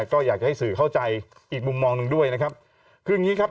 ก็อยากให้สื่อเข้าใจอีกมุมมองหนึ่งด้วยนะครับคืออย่างงี้ครับ